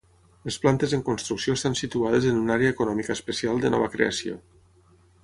Les plantes en construcció estan situades en una àrea econòmica especial de nova creació.